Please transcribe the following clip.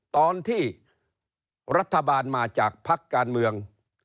ตอนที่รัฐบาลมาจากภักดิ์การเมือง